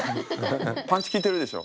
パンチ効いてるでしょ？